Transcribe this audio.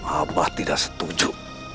abang tidak setuju